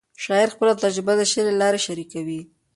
شاعر خپل تجربه د شعر له لارې شریکوي.